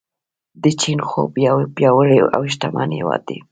د چین خوب یو پیاوړی او شتمن هیواد دی.